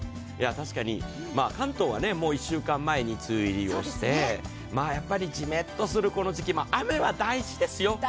確かに関東は、もう１週間前に梅雨入りして、やっぱりジメッとするこの時期、雨は大事ですよ。